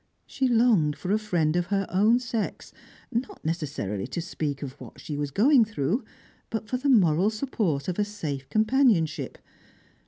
She longed for a friend of her own sex, not necessarily to speak of what she was going through, but for the moral support of a safe companionship.